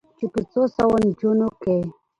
چې په څو سوو نجونو کې